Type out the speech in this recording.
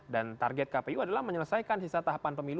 dan target kpu adalah menyelesaikan sisa tahapan pemilu